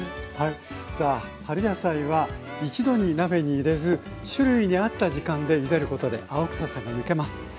さあ春野菜は一度に鍋に入れず種類に合った時間でゆでることで青臭さが抜けます。